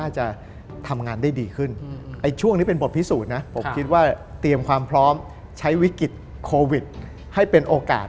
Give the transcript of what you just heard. ใช้วิกฤตโควิดให้เป็นโอกาส